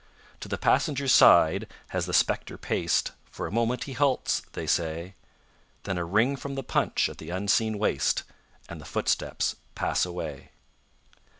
To the passenger's side has the spectre paced; For a moment he halts, they say, Then a ring from the punch at the unseen waist, And the footsteps pass away.